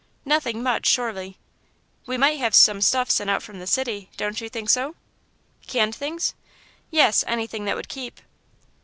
"Nothing much, surely." "We might have some stuff sent out from the city, don't you think so?" "Canned things?" "Yes anything that would keep."